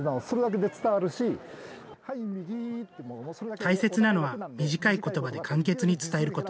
大切なのは、短いことばで簡潔に伝えること。